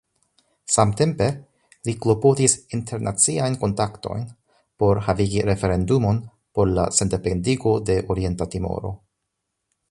Samtempe li klopodis internaciajn kontaktojn por havigi referendumon por la sendependigo de Orienta Timoro.